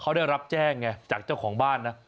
เขาได้รับแจ้งไงจากเจ้าของบ้านนะ